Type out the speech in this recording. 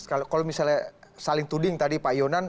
kalau misalnya saling tuding tadi pak yonan